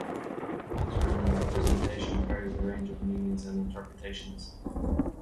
The term 'representation' carries a range of meanings and interpretations.